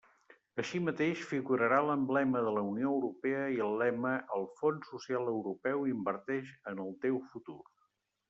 Així mateix, figurarà l'emblema de la Unió Europea i el lema «El Fons Social Europeu inverteix en el teu futur».